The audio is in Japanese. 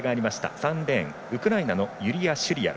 ３レーン、ウクライナのユリア・シュリアル。